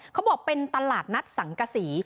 เขาบอกเป็นตลาดนัดสังกษี